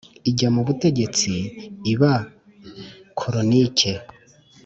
ijya mu bategetsi iba koronike